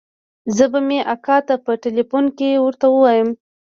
زه به مې اکا ته په ټېلفون کښې ورته ووايم.